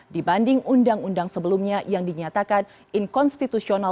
dibanding undang undang sebelumnya yang dinyatakan inkonstitusional